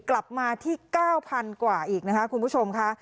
กลับมาที่๙๐๐กว่าอีกนะคะคุณผู้ชมค่ะ